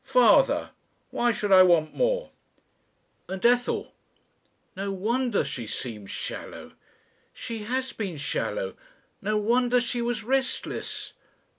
Father! Why should I want more? "And ... Ethel! No wonder she seemed shallow ... She has been shallow. No wonder she was restless.